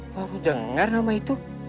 baru dengar nama itu